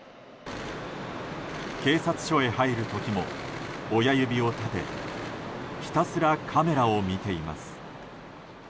警察署へ入る時も親指を立てひたすらカメラを見ています。